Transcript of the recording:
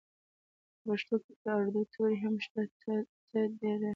په پښتو کې د اردو توري هم شته ټ ډ ړ